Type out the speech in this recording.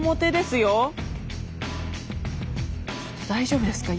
大丈夫ですか？